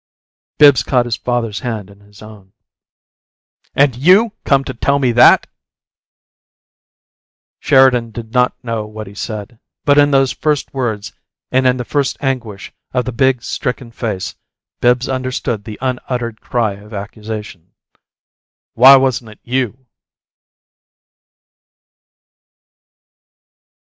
Bibbs caught his father's hand in his own. "And YOU come to tell me that?" Sheridan did not know what he said. But in those first words and in the first anguish of the big, stricken face Bibbs understood the unuttered cry of accusation: "Why wasn't it you?"